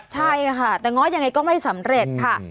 ใช่ค่ะแต่ง้อยังไงก็ไม่สำเร็จค่ะ